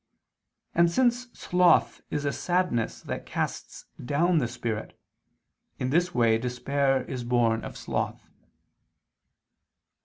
And since sloth is a sadness that casts down the spirit, in this way despair is born of sloth.